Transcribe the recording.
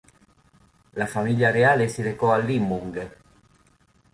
La famiglia reale si recò a Limbung.